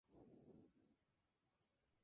La isla tiene varias playas de arena blanca.